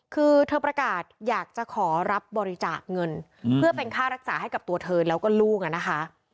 คือเธอประกาศอยากจะขอรับบริจาคเงินเพื่อเป็นค่ารักษาให้กับตัวเธอแล้วก็ลูกอ่ะนะคะ